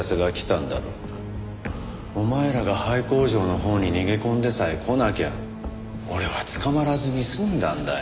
お前らが廃工場のほうに逃げ込んでさえ来なきゃ俺は捕まらずに済んだんだよ。